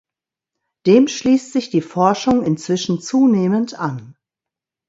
Dem schließt sich die Forschung inzwischen zunehmend an.